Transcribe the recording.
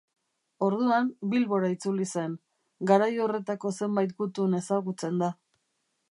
Orduan, Bilbora itzuli zen; garai horretako zenbait gutun ezagutzen da.